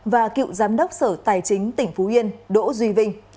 và cựu giám đốc sở tài chính tỉnh phú yên đỗ duy vinh